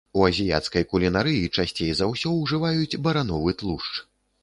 У азіяцкай кулінарыі часцей за ўсё ўжываюць барановы тлушч.